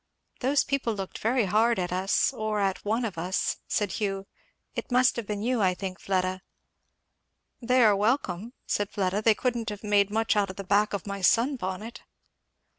"Those people looked very hard at us, or at one of us," said Hugh. "It must have been you, I think, Fleda" "They are welcome," said Fleda; "they couldn't have made much out of the back of my sun bonnet."